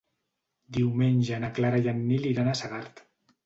Diumenge na Clara i en Nil iran a Segart.